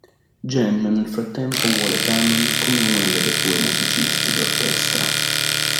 Gen nel frattempo vuole Kanon come una delle sue musiciste d'orchestra.